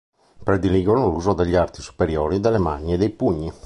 Prediligono l'uso degli arti superiori, delle mani e dei pugni.